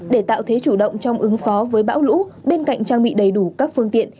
để tạo thế chủ động trong ứng phó với bão lũ bên cạnh trang bị đầy đủ các phương tiện